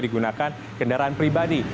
digunakan kendaraan pribadi